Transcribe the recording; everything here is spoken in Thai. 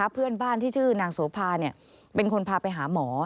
เพื่อนบ้านที่ชื่อนางโสภาเป็นคนพาไปหาหมอ